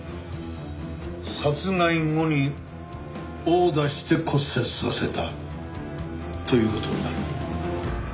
殺害後に殴打して骨折させたという事になる。